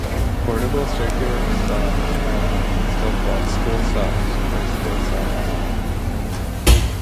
Portable circular saws are often still called Skilsaws or Skil saws.